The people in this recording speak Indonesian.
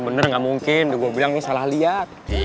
bener nggak mungkin gue bilang salah liat